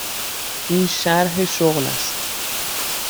این شرح شغل است.